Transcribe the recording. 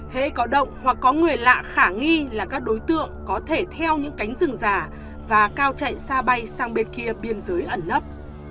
hãy có động hoặc có người lạ khả nghi là các đối tượng có thể theo những cánh rừng già và cao chạy xa bay sang bên kia biên giới ẩn nấp